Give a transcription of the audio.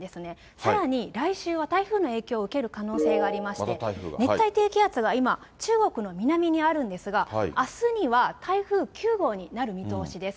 さらに来週は台風の影響を受ける可能性がありまして、熱帯低気圧が今、中国の南にあるんですが、あすには台風９号になる見通しです。